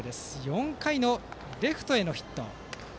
４回のレフトへのヒット。